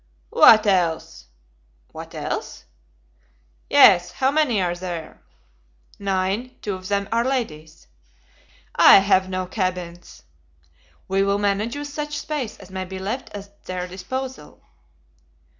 "What else?" "What else?" "Yes. How many are there?" "Nine; two of them are ladies." "I have no cabins." "We will manage with such space as may be left at their disposal."